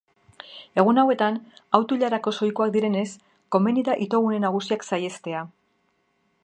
Egun hauetan auto-ilarak oso ohikoak direnez, komeni da itogune nagusiak saihestea.